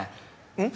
うん？